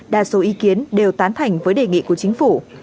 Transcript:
đa số ý kiến đều tán thành với đề nghị của chính phủ